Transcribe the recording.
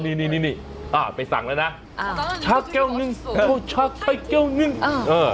นี่นี่นี่นี่อ่าไปสั่งแล้วนะอ่าชาแก้วนึงชาไข้แก้วนึงเออ